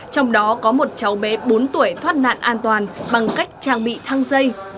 trong đó có một cháu bé bốn tuổi thoát nạn an toàn bằng cách trang bị thăng dây